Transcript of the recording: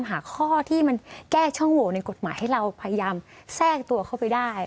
หาข้อที่มันแก้ช่องโหวในกฎหมายให้เราพยายามแทรกตัวเข้าไปได้